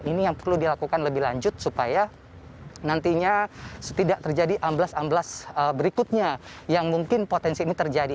ini yang perlu dilakukan lebih lanjut supaya nantinya tidak terjadi amblas amblas berikutnya yang mungkin potensi ini terjadi